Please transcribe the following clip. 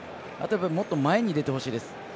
もっと前に出てほしいです。